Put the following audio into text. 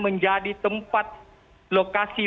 menjadi tempat lokasi